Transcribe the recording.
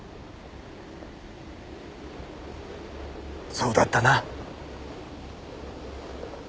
そうだったな。